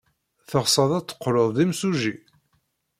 Teɣsed ad teqqled d imsujji?